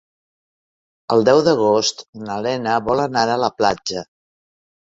El deu d'agost na Lena vol anar a la platja.